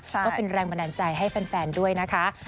ก็เป็นแรงบันดาลใจให้แฟนด้วยนะคะ